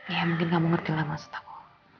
ya mungkin kamu ngerti lah maksud aku